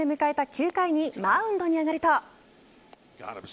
９回にマウンドに上がると。